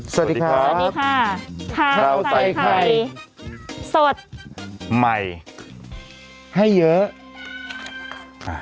สวัสดีครับข้าวไต่ไข่สดใหม่ให้เยอะ